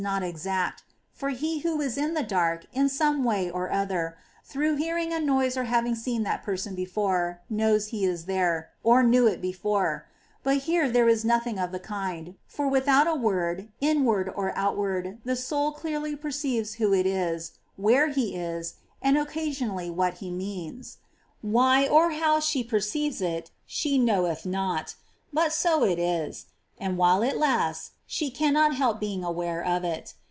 421 not exact ; for he who is in the dark, in some way or other, through hearing a noise or having seen that person before, knows he is there, or knew it before ; but here there is nothing of the kind, for without a word, inward or out ward, the soul clearly perceives who it is, where he is, and occasionally what he means.' Why, or how, she perceives it, she knoweth not ; but so it is ; and while it lasts, she cannot help being aware of it.